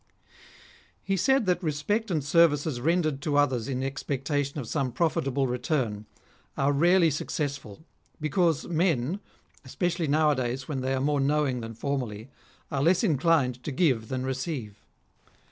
He said that respect and services rendered to others in expectation of some profitable return, are rarely sue 132 REMARKABLE SAYINGS OF cessful ; because men, especially nowadays when they are more knowing than formerly, are less inclined to give than receive.